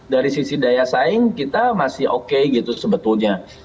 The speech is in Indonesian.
dari sisi daya saing kita masih oke gitu sebetulnya